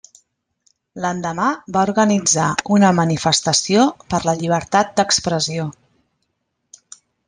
L'endemà va organitzar una manifestació per la llibertat d'expressió.